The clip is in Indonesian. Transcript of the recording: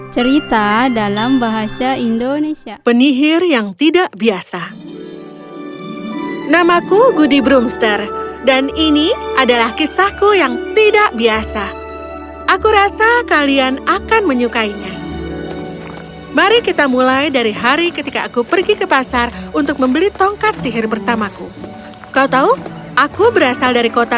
cerita dalam bahasa indonesia